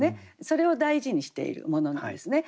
それを大事にしているものなんですね。